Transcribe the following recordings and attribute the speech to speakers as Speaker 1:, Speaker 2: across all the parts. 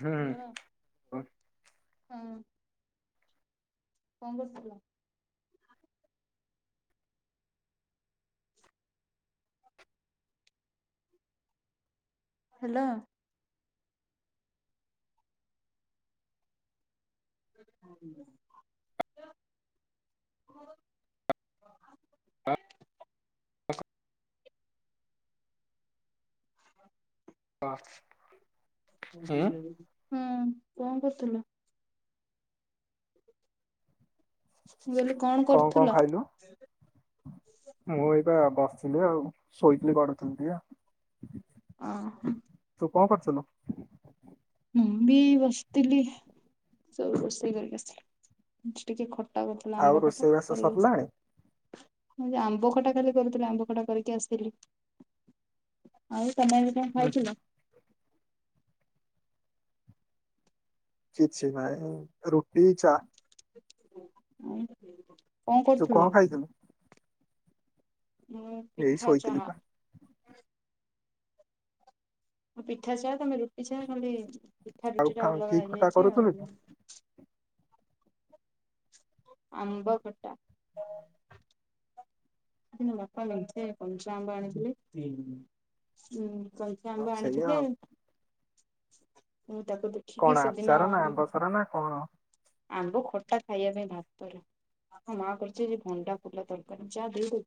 Speaker 1: ହୁଁ
Speaker 2: ହ୍ୟାଲୋ ହଁ। କଣ କରୁଥିଲ? ହ୍ୟାଲୋ। [inaudible] [unintelligible]
Speaker 1: [unintelligible]
Speaker 2: ହୁଁ କଣ କରୁଥୁଲୁ? ମୁଁ କହିଲି କଣ କରୁଥୁଲ?
Speaker 1: ମୁଁ ଏଇବା ବସିଥିଲି ଆଉ ଶୋଇଥିଲି ଗଡୁଥିଲି ଟିକେ ଆଉ।
Speaker 2: ଅ ହ।
Speaker 1: ତୁ କଣ କରୁଥୁଲୁ?
Speaker 2: ହୁଁ ବି ବସିଥିଲି ସବୁ ରୋଷେଇ କରିକି ଆସିଲ। ଆଜି ଟିକେ ଖଟା କରଥିଲା
Speaker 1: ଆଉ
Speaker 2: ଆମ୍ବ ଖଟା
Speaker 1: ରୋଷେଇବାସ
Speaker 2: କରିବ।
Speaker 1: ସରିଲାଣି?
Speaker 2: ମୁଁ ଆମ୍ବ ଖଟା ଖାଲି କରୁଥିଲି ଆମ୍ବ ଖଟା କରିକି ଆସିଥିଲି। ଆଉ ତମେ ଆଜି କଣ
Speaker 1: ହୁଁ,
Speaker 2: ଖାଇଥିଲ?
Speaker 1: କିଛି ନାଇଁ ରୁଟି ଚା।
Speaker 2: କଣ
Speaker 1: ତୁ
Speaker 2: କରୁଥିଲ?
Speaker 1: ଖାଇଥିଲୁ?
Speaker 2: ମୁଁ
Speaker 1: ଏଇ
Speaker 2: ପିଠା
Speaker 1: ଶୋଇଥିଲି
Speaker 2: ଚାହା।
Speaker 1: ପା
Speaker 2: ମୁଁ ପିଠା ଚାଆ ତମେ ରୁଟି ଚା। ଖାଲି ପିଠା
Speaker 1: ଆଉ
Speaker 2: ରୁଟି ଟା
Speaker 1: ଖା-
Speaker 2: ଅଲଗା
Speaker 1: କି ଖଟା
Speaker 2: ହେଇଯାଇଛି
Speaker 1: କରୁଥିଲୁ କି?
Speaker 2: ଆଉ। ଆମ୍ବ ଖଟା। ମୋ ବାପା ମେଞ୍ଚେ କଞ୍ଚା ଆମ୍ବ ଆଣିଥିଲେ ହଁ। କଞ୍ଚ
Speaker 1: ହଁ,
Speaker 2: ଆମ୍ବ
Speaker 1: ସେଇଆ
Speaker 2: ଆଣିଥିଲେ
Speaker 1: ଆଉ
Speaker 2: ମୁଁ ତାକୁ ଦେଖିକି
Speaker 1: କଣ
Speaker 2: ସେଦିନ
Speaker 1: ଆଚାର ନା ଆମ୍ୱ ସରା ନା କଣ।
Speaker 2: ଆମ୍ବ ଖଟା ଖାଇବା ପାଇଁ ଭାତରେ। ମୋ ମା କରଚି ଯେ ଭୋଣ୍ଡା ଫୁଲା ତରକାରୀ ଯା ଦେଇ ଦେ।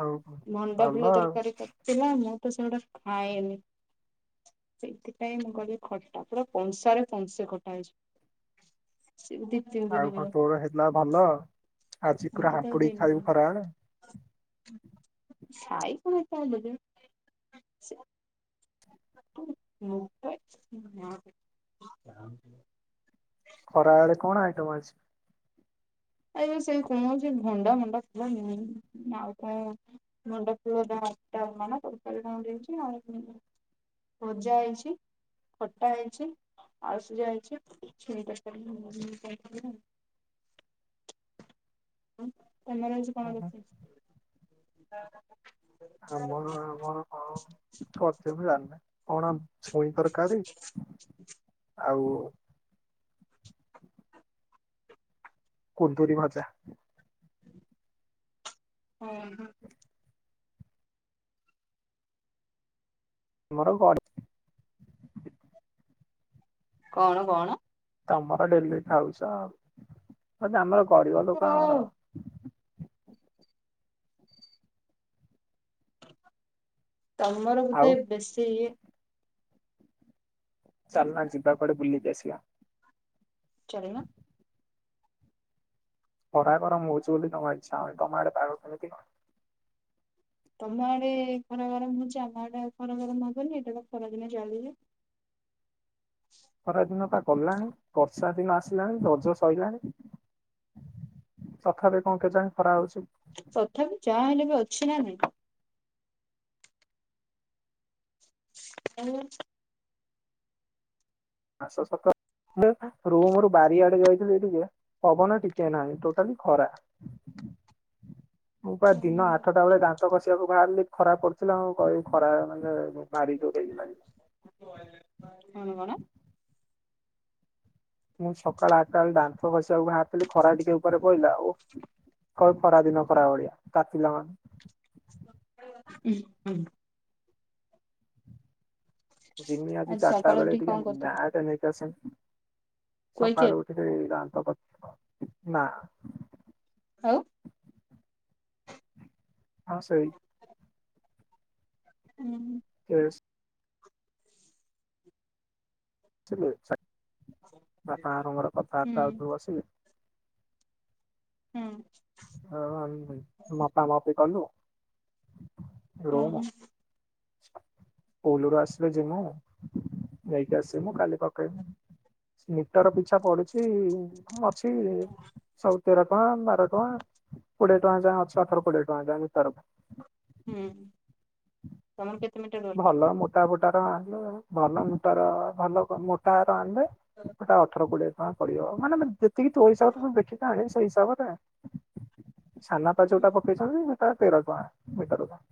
Speaker 1: ଆଉ
Speaker 2: ଭଣ୍ଡା
Speaker 1: ଭଲ
Speaker 2: ଫୁଲ
Speaker 1: ଆଉ
Speaker 2: ତରକାରୀ କରିଥିଲା ମୁଁ ତ ସେଗୁଡା ଖାଏନି। ସେଇଥିପାଇଁ ମୁଁ କହିଲି ଖଟା ପୁରା କଂସା ରେ କଂସେ ଖ ଟା ହେଇଚି। [unintelligible]
Speaker 1: ଆଉ କଣ ତୋର ହେଇଲା ଭଲ ଆଜି ପୁରା
Speaker 2: ମତେ ତାକୁ
Speaker 1: ହାମ୍ପୁଡିିକି
Speaker 2: ଦେଇନି
Speaker 1: ଖାଇବୁ ଖରାବେଳେ।
Speaker 2: [unintelligible] [unintelligible]
Speaker 1: ଖରା ବେଳେ କଣ ଆଇଟମ ଆଜି?
Speaker 2: ଏ ସେଇ କଣ ହଉଛି ଭଣ୍ଡା ମଣ୍ଡା ପୁର ଆଉ କଣ କରି [unintelligible] ତରକାରି କଣ ଦେଇଚି [unintelligible] ପୂଜା ଆଇଚି। ଖଟା ହେଇଛି ଆଳୁ ସିଜା ହେଇଛି ଛୁଇଁ ତରକାରୀ [unintelligible] ତମର ଆଜି କଣ ରୋଷେଇ?
Speaker 1: ଆମର ଆମର କଣ କରିଛନ୍ତି ମୁଁ ଜାଣିନେଇ। କଣ ଛୁଇଁ ତରକାରୀ ଆଉ।
Speaker 2: [inaudible]
Speaker 1: କୁନ୍ଦୁରି ଭଜା।
Speaker 2: ଉଁ ହୁଁ।
Speaker 1: ତୁମର ବଢ଼ି-
Speaker 2: କଣ କଣ।
Speaker 1: ତମର ଡେଲି ଖାଉଛ ଆଉ ବଟ୍ ଆମର ଗରିବ
Speaker 2: ଓ
Speaker 1: ଲୋକ ଆମର।
Speaker 2: ତମର ବୋଧେ
Speaker 1: ଆଉ
Speaker 2: ବେଶୀ ଇଏ।
Speaker 1: ଚାଲନା ଯିବା କୁଆଡେ ବୁଲିକି ଆସିବା।
Speaker 2: ଚାଲୁନ
Speaker 1: ଖରା ଗରମ ହଉଛି ବୋଲି ଜମା ଇଚ୍ଛା ହଉନି ତମ ଆଡେ ପାଗ କେମିତି?
Speaker 2: ତମ ଆଡେ ଖରା ଗରମ ହଉଛି। ଆମ ଆଡେ ଖରା ଗରମ ହବନି, ଏଇଟା ତ ଖରାଦିନ ଚାଲିିବ।
Speaker 1: ଖରାଦିନ ବା ଗଲାଣି, ବର୍ଷା ଦିନ ଆସିଲାଣି ରଜ ସରିଲାଣି। ତଥାପି କଣ କେଜାଣି ଖରା ହଉଛି।
Speaker 2: ତଥାପି ଯାହା ହେଲେ ବି ଅଛି ନା ନାଇଁ [unintelligible]
Speaker 1: ଆସ ସତ ମୁଁ ରୁମ ରୁ ବାରିଆଡେ ଯାଇଥିଲି। ଟିକେ ପବନ ଟିକେ ନାହିଁ ଟୋଟାଲି ଖରା
Speaker 2: [unintelligible]
Speaker 1: ମୁଁ ପ୍ରାୟ ଦିନ ଆଠଟା ବେଳେ ଦାନ୍ତ ଘଷିବାକୁ ବାହାରିଲି ଖରାପ ପଡୁଥିଲା ଆ କହିଲି ଖରା ମାନେ [unintelligible]
Speaker 2: ଶୁଣିବ ନା
Speaker 1: ମୁଁ ସକାଳ ଆଠଟା ବେଳେ ଦାନ୍ତ ଘସିବାକୁ ବାହାରଥିଲି ଖରା ଟିକେ ଉପରେ ପଇଲା ଓଃ। ଖରା ପରା ଦିନ ପରା ଭଳିଆ ତାତିିଲା ମାନେ
Speaker 2: ହୁଁ ହୁଁ
Speaker 1: ଜିମି ଆଜି ଚାରିଟା
Speaker 2: ସକାଳୁ
Speaker 1: ବେଳେ
Speaker 2: ଉଠିକି
Speaker 1: ଟିକେ
Speaker 2: କଣ କରିଥିଲ?
Speaker 1: ବ୍ୟାଟ ନେଇକି ଆସିମି
Speaker 2: କୁଆଖିଆ
Speaker 1: ସକାଳୁ ଉଠି। [unintelligible]
Speaker 2: ହଉ
Speaker 1: ହଁ ସେଇ
Speaker 2: ହୁଁ ହୁଁ
Speaker 1: ହୁଁ [unintelligible]
Speaker 2: ହୁଁ
Speaker 1: କଥାବାର୍ତ୍ତା ହଉଛୁ ବସିକି
Speaker 2: ହୁଁ
Speaker 1: ହଁ ମପା ମପି କଲୁ
Speaker 2: ଓହୋ।
Speaker 1: ରୁମ୍ ପୋଲରୁ ଆସିଲେ ଜିମୁ ଯାଇକି ଆସି ମୁୁ କାଲି ପକେଇବି। ମିଟର ପିଛା ପଡୁଛି ହଁ ଅଛି ସହେ ତେର ଟଙ୍କା ବାର ଟଙ୍କା କୋଡିଏ ଟଙ୍କା ଯାଏଁ ଅଛି ଅଠର କୋଡିଏ ଟଙ୍କା ଯାଏ ମିଟର
Speaker 2: ହୁଁ ତମର କେତେ ମିିଟର?
Speaker 1: ଭଲ ମୋଟା ଫୁଟ ରଣ ଭଲ ମଟ ର ଭଲ [unintelligible] ମୋଟାର ଆଣିଲେ ହେଟା ଅଠର କୋଡିଏ ଟଙ୍କା ପଡିବ ମାନେ ଯେତିକି ଯୋଉ ହିସାବରେ ତମେ ଦେଖିକି ଆଣିବ ସେଇ ହିସାବରେ ସାନା ପା
Speaker 2: ହଁ
Speaker 1: ଯୋଉଟା ପକେଇଛନ୍ତି ସେଟା ତେର ଟଙ୍କା ମିଟରକୁ।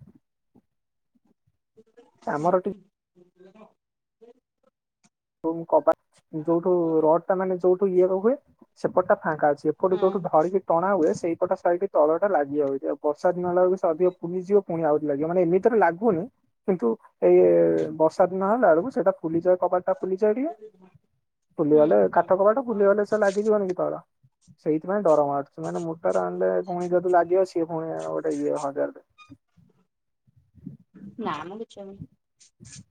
Speaker 2: ହଁ
Speaker 1: ଆମର ଟିକେ
Speaker 2: ହଁ
Speaker 1: ହୋଇ ମୁଁ କବାଟ ଯୋଉଠୁ ରଡଟା ମାନେ ଯୋଉଠୁ ଇଏ କ ହୁଏ ସେପଟ ଟା ଫାଙ୍କା ଅଛି ଏପଟେ ଯୋଉଠୁ ଧରିକି ଟଣା ହୁଏ ସେଇପଟ ସାଇଟି ତଳଟା ଲାଗିଯାଉଚି ଆଉ ବର୍ଷାଦିନ ହେଲା ବେଳକୁ ସେ ଅଧିକ ଫୁଲିିଯିବ। ପୁଣି ଆହୁରି ଲାଗିବ ମାନେ ଏମିତିରେ ଲାଗୁନି। କିନ୍ତୁ ଏଇ ବର୍ଷା ଦିନ ହେଲେ ଆ ସେଇଟା ଫୁଲି ଯାଏ କବା ଟା ଫୁଲିଯାଏ ଟିକେ
Speaker 2: ହଁ।
Speaker 1: ଫୁଲିଗଲେ କାଠ କବାଟ ଫୁଲିଗଲେ ସେ ଲାଗିଯିବନି କି ତଳ। ସେଇଥିପାଇଁ ଡରମାରୁୁଛି ମାନେ ମୋଟର ଆଣିଲେ ପୁଣି ଯଦି ଲାଗିବ ସିଏ ପୁଣି ଗୋଟେ ଇଏ ହଜାରରେ।
Speaker 2: ନା ମ କିଛି ହବନି।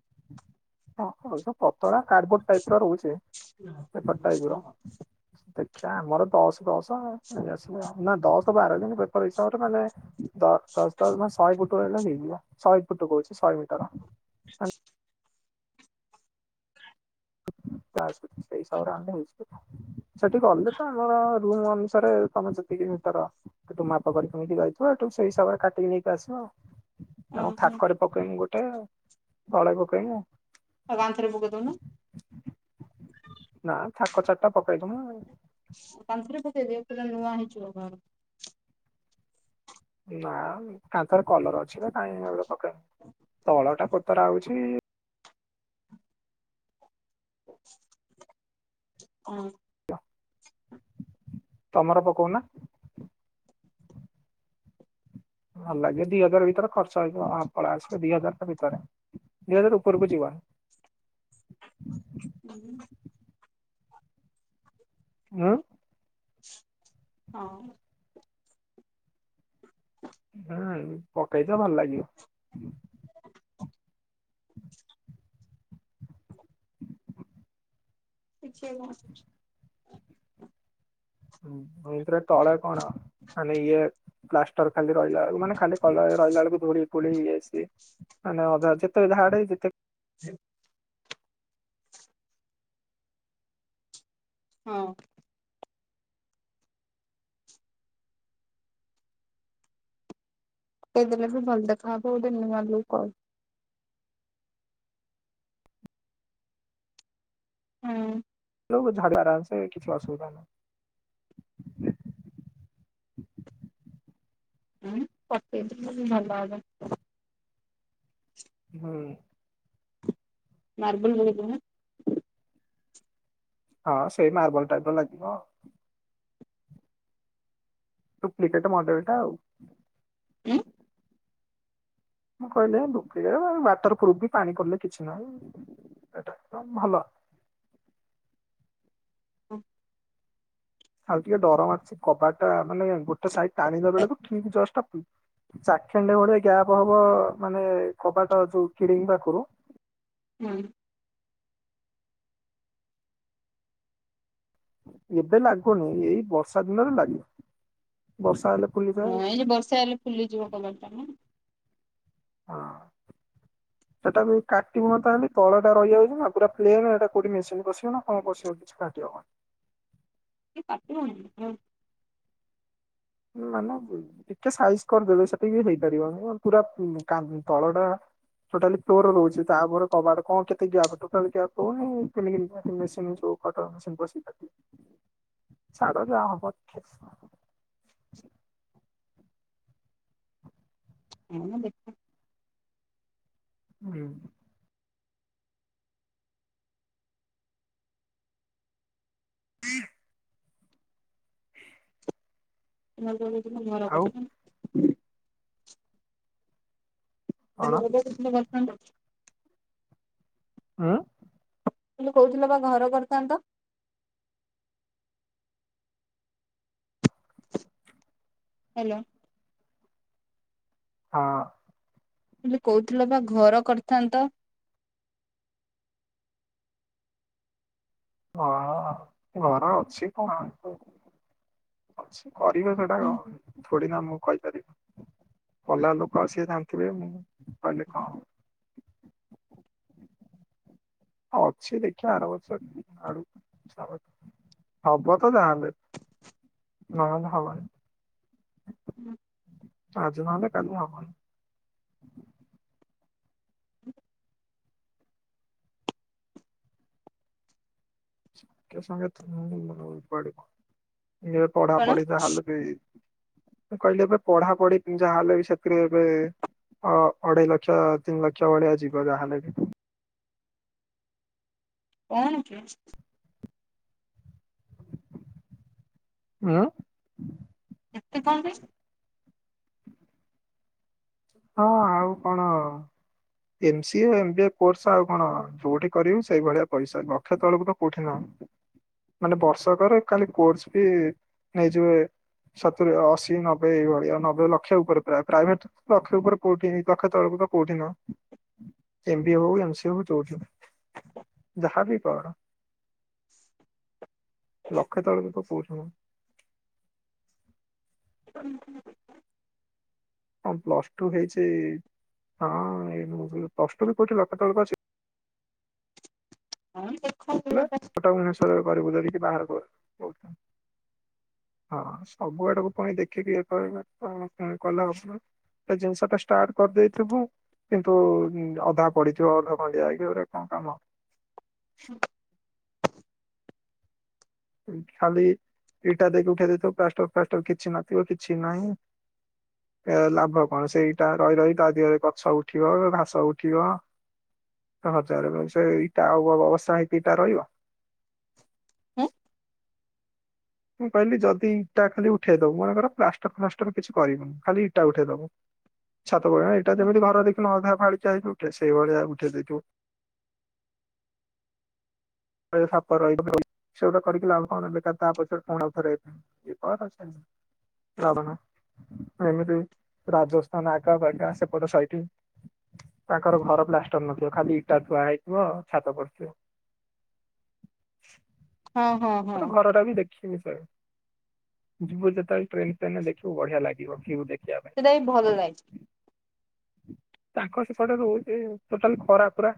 Speaker 1: ହଁ [unintelligible] ପତଳା କାର୍ବୋର୍ଡ ଟାଇପ ର ରହୁଛେ।
Speaker 2: [inaudible]
Speaker 1: ଦେଖିବା ଆମର ଦଶ ଦଶ [unintelligible] ନା ଦଶ ବାର ଦିନ ପେପର ହିସାବରେ ମାନେ ଦସ ଦସ ଦସ ମାନେ ଶହେ ଫୁଟ ହେଲେ ହେଇଯିବ ଶହେ ଫୁଟ କହୁଚି ସହେ ମିଟର।
Speaker 2: [inaudible]
Speaker 1: ଆସୁଛି ସେଇ ହିସାବରେ ଆଣେ ହେଇଯିବ ସେଠି ଗଲେ ତ ଆମର। ରୁମ୍ ଅନୁସାରେ ତମେ ସେତିକି ମିଟର। ତୁ ମାପ କରିକି ନେଇକି ଯାଇଥିବ ହେଟୁ ସେଇ ହିସାବରେ କାଟିକି ନେଇକି ଆସିବ।
Speaker 2: ଓହୋ
Speaker 1: ଥାକରେ ପକେଇମି ଗୋଟେ ତଳେ ପକେଇମି।
Speaker 2: ଆ କାନ୍ଥରେ ପକେଇଦଉନୁ।
Speaker 1: ନା ଥାକ ଚାରିଟା ପକେଇଦମା।
Speaker 2: କାନ୍ଥରେ ପକେଇଦିଅ ସେଟା ନୂଆ ହେଇଯିବର।
Speaker 1: ନା କାନ୍ଥରେ କଲର ଅଛି ନା କାହିଁ ଏଇନା ଗୋଟେ ପକେଇମି ତଳଟା କୋତରା ହେଉଚି।
Speaker 2: ହୁଁ
Speaker 1: ତମର ପକଉନା? ଭଲ ଲାଗେ ଦି ହଜାର ଭିତରେ ଖର୍ଚ୍ଚ ହେଇଯିବ ହା ପଳେଇ ଆସିବ ଦିଇ ହଜାର ତ ପରେ ଦି ଦଜାର ଉପରକୁ ଯିବା
Speaker 2: ହ। [unintelligible]
Speaker 1: ଉଁ?
Speaker 2: ହଁ।
Speaker 1: ହଁ ପକାେଇଚ ଭଲ ଲାଗିବ। [inaudible]
Speaker 2: [unintelligible]
Speaker 1: ଏମିତି ରେ ତଳେ କଣ ଆ ଇଏ ପ୍ଲାଷ୍ଟର ଖାଲି ରହିଲା ବେଳକୁ ମାନେ ଖାଲି କଲର୍ ହେଇ ରହିଲା ବେଳକୁ ଧୂଳି ଫୁଳି ଇଏ ସିଏ ମାନେ ଅଧା ଯେତେ ବି ଝାଡେ ଯେତେ
Speaker 2: ସେ ହଁ କେ ଦେଲେ ବି ଭଲ ଦେଖାହବ ଗୋଟେ ନୁଆ ଲୁକ ଆଉ। ହଁ
Speaker 1: [unintelligible] କିଛିସୁବିଧା ନାହିଁ।
Speaker 2: ହୁଁ ପକେଇଚ ତ ଭଲ ହବ [unintelligible]
Speaker 1: ହଁ।
Speaker 2: ମାର୍ବଲ୍ ହେଇଚି ନା।
Speaker 1: ହଁ ସେଇ ମାର୍ବଲ୍ ଟାଇପ୍ ର ଲାଗିବ। ଡୁପ୍ଲିକେଟ୍ ମଡେଲ୍ ଟା ଆଉ।
Speaker 2: ଉଁ,
Speaker 1: ମୁଁ କହିଲି ଏ ଡୁପ୍ଲିକେଟ୍ ୱାଟର୍ ପ୍ରୁପ୍ ବି ପାଣି ପଡିଲେ କିଛି ନାହିଁ। ଏଟା ଏକଦମ ଭଲ।
Speaker 2: ହଁ।
Speaker 1: ଆ ଟିକେ ଡର ମାରଛି, କବା ଟା ଆ, ନଲେ ଗୋଟେ ସାଇଡ୍ ଟାଣିିଲା ବେଳକୁ ଠିକ ଜଷ୍ଟ ଟା ଚାଖେଣ୍ଡେ ଭଳିଆ ଗ୍ୟାପ୍ ହବ ମାନେ କବାଟ ଯୋଉ ଫିଡିଙ୍ଗ ପାଖରୁ।
Speaker 2: ମାନେ?
Speaker 1: ଏବେ ଲାଗୁନି ଏଇ ବର୍ଷା ଦିନରେ ଲାଗିବ। ବର୍ଷା ହେଲେ ଫୁଲି
Speaker 2: ହଁ ଏଇ ଯେ ବର୍ଷା ହେଲେ ଫୁଲିଯିବ କବଟା ନା। [inaudible]
Speaker 1: ସେଟାକୁ କାଟିବ ତାହେଲେ ତଳ ଟା ରହିଯାଉଚି ନା ପୁରା ପ୍ଲେନ୍ ଏଟା କୋଉଟି ମେସିନ୍ ପଶିବ ନା କଣ ପଶିବ କି। ଛି କାଟି ହବନି।
Speaker 2: ଏ କାଟିବ ନାହିଁ ନା କଣ?
Speaker 1: ମାନେ ଟିକେ ସାଇଜ୍ କରିଦେବେ, ସେତିକି ବି ହେଇପାରିବ, [inaudible] ପୁରା ଉଁ, କାନ୍ ତଳ ଟା ଟୋଟାଲି ଫ୍ଲୋର୍ ରହୁଛି ତାପରେ କବାଟ କଣ କେତେ ଗ୍ୟାପ୍ ଟୋଟାଲି ଗ୍ୟାପ୍ ହଉନି [unintelligible] ହେଲେ [unintelligible] ପଠଉନ [unintelligible]
Speaker 2: [inaudible]
Speaker 1: ଛାଡ ଯା ହବ ଦେଖାଯିବ।
Speaker 2: ମୁଁ ଦେଖେ
Speaker 1: [inaudible] ହଁ [unintelligible]
Speaker 2: [inaudible] ଘର
Speaker 1: ଆଉ
Speaker 2: ପାଖେ କନେ
Speaker 1: କଣ
Speaker 2: [inaudible] ଦଉଛି।
Speaker 1: ଆଁ,
Speaker 2: ତୁମେ କହୁଥିଲ ବା ଘର କରିଥାନ୍ତ? ହ୍ୟାଲୋ।
Speaker 1: ହଁ।
Speaker 2: ତୁମେ କହୁଥିଲ ବା ଘର କରିଥାନ୍ତ?
Speaker 1: ଅ, ହଁ ଘର ଅଛି କଣ [inaudible] ଅଛି କରିବା ସେଟା ର ଥୋଡି ନା ମୁଁ କହିପାରିବି। କଲା ଲୋକ ସେ ଜାଣିଥିବେ ମୁଁ କହିଲେ କଣ ହବ। ଅଛି ଦେଖିବା ଆର ବର୍ଷ ଆଡୁ [inaudible] ହବ ତ ଯା ହେଲେ, ନହେଲେ ହବନି।
Speaker 2: ହୁଁ।
Speaker 1: ଆଜି ନହେଲେ କାଲି ହବନି। ସାଙ୍ଗେ ସାଙ୍ଗେ ତ ନ [inaudible] ପଡିବ ଏ ପଢା
Speaker 2: କଣ
Speaker 1: ପଢି ଯାହା ହେଲେ ବି ମୁଁ କହିଲି ଏବେ ପଢାପଢି ଯାହା ହେଲେ ବି ସେଥିରେ ଏବେ ଅ, ଅଢେଇ ଲକ୍ଷ ତିନି ଲକ୍ଷ ଭଳିଆ ଯିବ ଯାହା ହେଲେ ବି।
Speaker 2: ପଢୁଛି।
Speaker 1: ଆଁ,
Speaker 2: ଏତେ କଣ ପାଇଁ?
Speaker 1: ହଁ ଆଉ କଣ M C A, M B A course ଆଉ କଣ ଯୋଉଠି କରିବୁ ସେଇ ଭଳିଆ ପଇସା। ଲକ୍ଷ ତଳକୁ ତ କୋଉଠିି ନୁହଁ, ମାନେ ବର୍ଷକରେ କାଲି କୋର୍ସ ଫି ନେଇଯିବେ ସତୁରି ଅଶୀ ନବେ ଏଇଭଳିଆ ନବେ ଲକ୍ଷ ଉପରେ ପ୍ରାୟ ପ୍ରାଇଭେଟ୍ ଲକ୍ଷେ ଉପରେ କୋଉଠିି, ଲକ୍ଷେ ତଳକୁ ତ କୋଉଠିି ନୁହଁ। ଏମ ବି ଏ ହଉ ଏମ ସି ଏ ହଉ ଯୋଉଠି ବି ଯାହାବି ପଢ଼। ଲକ୍ଷେ ତଳକୁ ତ କୋଉଠି ନୁହଁ।
Speaker 2: [inaudible]
Speaker 1: ହଁ ପ୍ଲସ ଟୁ ହେଇଛି ହଁ ପ୍ଲସ ଟୁ ବି କୋଉଠି ଲକ୍ଷ ତ ତଳକୁ ଅଛି?
Speaker 2: ହଁ ଦେଖନ୍ତୁ ଏଟା।
Speaker 1: କଟକ ଭୁବନେଶ୍ୱରରେ କରିବୁ ଧରିକି ବାହାର କରେ। ହଁ ସବୁ ଆଡକୁ ପୁଣି ଦେଖିକି ଇ କହିଲ କଲା ଆପଣ ହେ ଜିନିଷ ଟା ଷ୍ଟାର୍ଟ କରିଦେଇଥିବୁ କିନ୍ତୁ ଅଧା ପଡିଥିବ ଅଧା ଖଣ୍ଡିଆ ହେଇଥିବ ଏଗୁଡା କଣ କାମ। ଖାଲି ଇଟା ଦେଇକି ଉଠେଇ ଦେଇଥିବ ପ୍ଲାଷ୍ଟର ଫ୍ଲାଷ୍ଟର କିଛି ନଥିବ କିଛି ନାହିଁ। ଏ ଲାଭ କଣ ସେଇଟା ରହି ରହି ତା ଦେହରେ ଗଛ ଉଠିବ ଘାସ ଉଠିବ। ହଜାର ମଣିଷ ଏଇଟା ଆଉ ଅବସ୍ଥା ହେଇକି ଏଇଟା ରହିବ।
Speaker 2: [inaudible]
Speaker 1: ମୁଁ କହିଲି ଯଦି ଇଟା ଖାଲି ଉଠେଇଦବ ମନେ କର ପ୍ଲାଷ୍ଟର ଫ୍ଲାଷ୍ଟର କିଛି କରିବୁନି ଖାଲି ଇଟା ଉଠେଇଦବ। ଛାତ ପଡଣ ଏଇଟା ଯେମିତି ଭାର ଦେଇକିନା ଅଧା ଫାଲିକିଆ ହେଇଥିବ ସେଇଭଳିଆ ଉଠେଇ ଦେଇଥିବୁ। ସାପ ରହିବ ସେଗୋଟା କରିକି ଲାଭ କଣ ବେକାର ତା ପଛରେ କଣ ଆଉଥରେ ହେଇ [unintelligible] [unintelligible] ଏମିତି ରାଜସ୍ଥାନ ଆକାପଗା ସେପଟ ସଇଟି। ତାଙ୍କର ଘର ପ୍ଲାଷ୍ଟର ନଥିବ ଖାଲି ଇଟା ଥୁଆ ହେଇଥିବ ଛାତ ପଡିଥିବ।
Speaker 2: ହଁ ହଁ ହଁ
Speaker 1: ଗୋଟେ ଘର ଟା ବି ଦେଖ ଯିବୁ ଯେତେବେଳେ ଟ୍ରେନ୍ ଫ୍ରେନ ଦେଖିବୁ ବଢିଆ ଲାଗିବ ଭ୍ୟୁ ଦେଖିବା ପାଇଁ।
Speaker 2: ସେଇଟା ବି ଭଲ ଲାଗେ।
Speaker 1: ତାଙ୍କ ସେପଟେ ରହୁଛି ଟୋଟାଲ ଖରା ପରା।